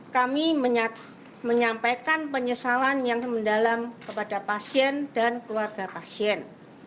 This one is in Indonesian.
kami menyampaikan penyesalan yang mendalam kepada pasien dan keluarga pasien